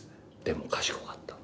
でも賢かった。